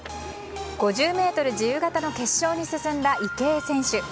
５０ｍ自由形の決勝に進んだ池江選手。